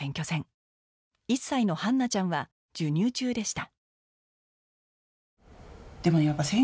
１歳の帆那ちゃんは授乳中でした